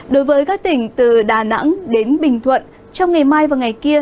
đối với các tỉnh từ đà nẵng đến bình thuận trong ngày mai và ngày kia